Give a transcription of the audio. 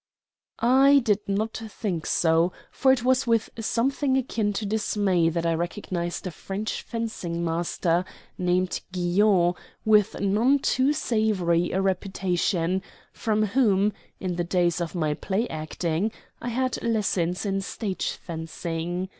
I did not think so; for it was with something akin to dismay that I recognized a French fencing master, named Guion, with none too savory a reputation, from whom, in the days of my play acting, I had lessons in stage fencing.